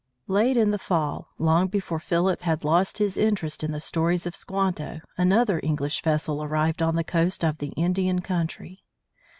Late in the fall, long before Philip had lost his interest in the stories of Squanto, another English vessel arrived on the coast of the Indian country.